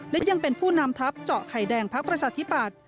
และยังเป็นผู้นำทัพเจาะไข่แดงพักประชาธิปัตย์